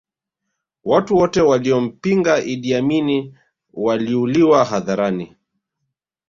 watu wote waliompinga iddi amini waliuliwa hadharani